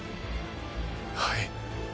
はい。